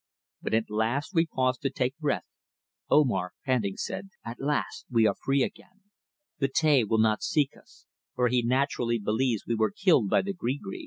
When at length we paused to take breath Omar, panting, said: "At last we are free again. Betea will not seek us, for he naturally believes we were killed by the gree gree.